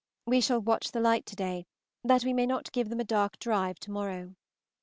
We shall watch the light to day, that we may not give them a dark drive to morrow.